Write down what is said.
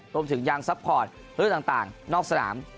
รวมถึงยางซัพพอร์ตเรื่องต่างนอกสนาม